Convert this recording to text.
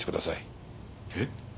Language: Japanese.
えっ？